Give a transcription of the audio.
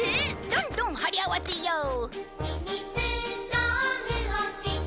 どんどん貼り合わせよう！